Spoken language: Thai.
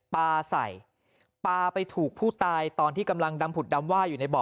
ปลาใส่ปลาไปถูกผู้ตายตอนที่กำลังดำผุดดำว่าอยู่ในบ่อ